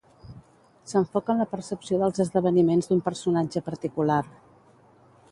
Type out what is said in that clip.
S'enfoca en la percepció dels esdeveniments d'un personatge particular.